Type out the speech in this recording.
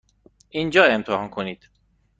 اینجا را امضا کنید.